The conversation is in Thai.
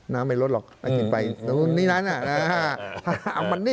น้ำไม่ลดหรอกไปเมื่อกี๊ไป